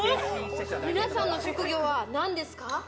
皆さんの職業は何ですか？